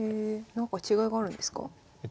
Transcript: なんか違いがあるんですか？